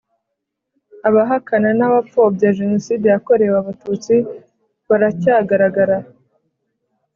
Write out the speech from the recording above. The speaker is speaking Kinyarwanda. abahakana n’abapfobya Jenoside yakorewe Abatutsi baracyagaragara